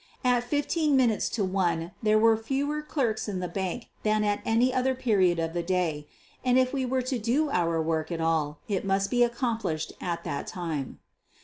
At fifteen minutes to one there were fewer clerks in the bank than at any other period of the day, and if we were to do our work at all it must be accomplished at that time.